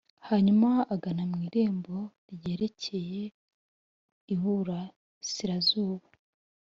Hanyuma agana mu irembo ryerekeye iburasirazuba